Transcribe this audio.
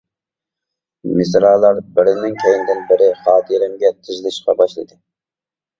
مىسرالار بىرىنىڭ كەينىدىن بىرى خاتىرەمگە تىزىلىشقا باشلىدى.